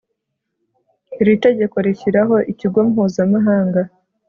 Iri tegeko rishyiraho Ikigo Mpuzamahanga